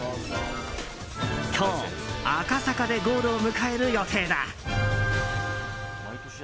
今日、赤坂でゴールを迎える予定だ。